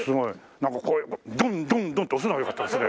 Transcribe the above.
なんかこういうドンドンドン！って押すのが良かったですね。